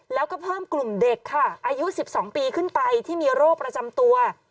แล้วก็เพิ่มกลุ่มเด็กค่ะอายุ๑๒ปีขึ้นไปที่มีโรคประจำตัว